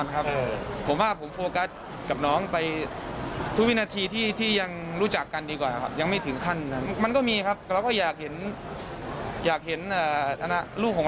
อย่างเงี้ยก็ต้องบินไปหาให้ทำไงยัง